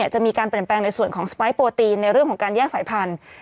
จะมีการเปลี่ยนแปลงในส่วนของสไปร์โปรตีนในเรื่องของการแยกสายพันธุ์